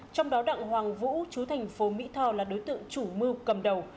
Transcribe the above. trong đó đặng hoàng vũ chú thành phố mỹ tho là đối tượng chủ mưu cầm đầu